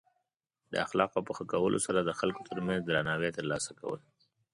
د اخلاقو په ښه کولو سره د خلکو ترمنځ درناوی ترلاسه کول.